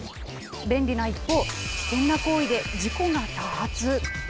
便利な一方、危険な行為で事故が多発。